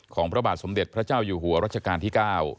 พระบาทสมเด็จพระเจ้าอยู่หัวรัชกาลที่๙